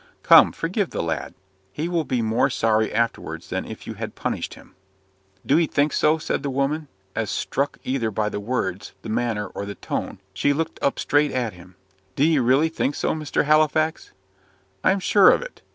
"Come, forgive the lad. He will be more sorry afterwards than if you had punished him." "Do'ee think so?" said the woman, as, struck either by the words, the manner, or the tone, she looked up straight at him. "Do'ee really think so, Mr. Halifax?" "I am sure of it.